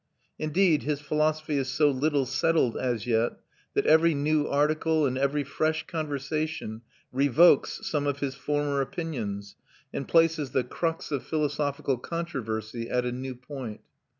Indeed, his philosophy is so little settled as yet that every new article and every fresh conversation revokes some of his former opinions, and places the crux of philosophical controversy at a new point.